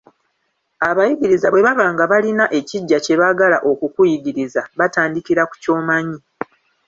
Abayigiriza bwe baba nga balina ekiggya kye baagala okukuyigiriza, batandikira ku ky'omanyi.